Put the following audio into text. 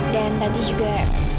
dan tadi juga